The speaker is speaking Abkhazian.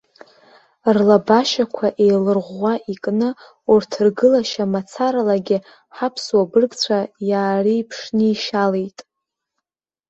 Рлабашьақәа еиларӷәӷәа икны урҭ ргылашьа мацаралагьы ҳаԥсуа быргцәа иаареиԥшнишьалеит.